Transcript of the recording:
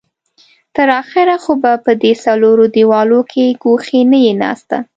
تر اخره خو به په دې څلورو دېوالو کې ګوښې نه يې ناسته.